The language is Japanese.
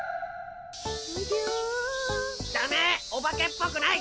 オバケっぽくない。